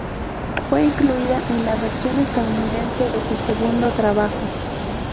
Fue incluida en la versión estadounidense de su segundo trabajo.